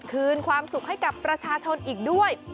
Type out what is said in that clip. คืนความสุขให้กับประชาชนอีกด้วย